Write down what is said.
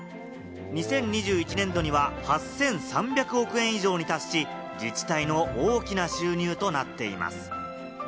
２０２１年度には８３００億円以上に達し、自治体の大きな収入となっています。